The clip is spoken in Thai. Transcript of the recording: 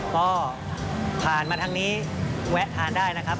ก็ผ่านมาทางนี้แวะทานได้นะครับ